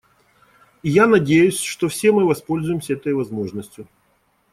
И я надеюсь, что все мы воспользуемся этой возможностью.